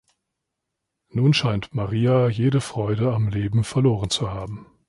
Nun scheint Maria jede Freude am Leben verloren zu haben.